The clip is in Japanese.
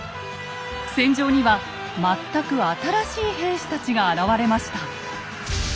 戦場には全く新しい兵士たちが現れました。